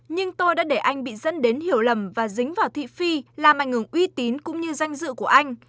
nhưng tôi đã để anh bị dẫn đến hiểu lầm và dính vào thị phi làm ảnh hưởng uy tín cũng như danh dự của anh